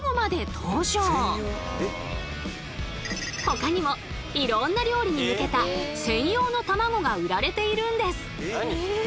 ほかにもいろんな料理に向けた専用のたまごが売られているんです。